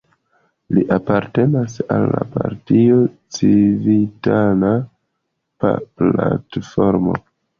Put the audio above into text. Li apartenas al la partio Civitana Platformo.